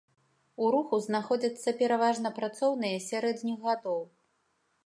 У руху знаходзяцца пераважна працоўныя сярэдніх гадоў.